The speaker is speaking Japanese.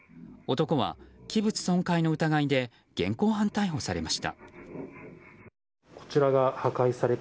男は器物損壊の疑いで現行犯逮捕されました。